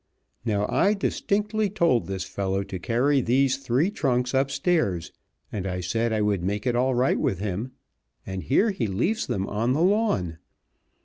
Now, I distinctly told this fellow to carry these three trunks upstairs, and I said I would make it all right with him, and here he leaves them on the lawn.